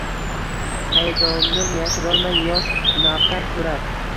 Hayajonin yashirolmay yosh navkar so’rar: